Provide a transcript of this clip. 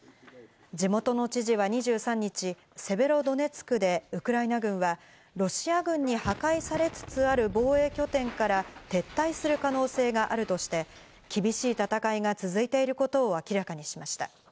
地元の知事は２３日、セベロドネツクでウクライナ軍はロシア軍に破壊されつつある防衛拠点から撤退する可能性があるとして、厳しい戦いが続いていることを明らかにしました。